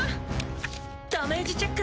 ダメージチェック！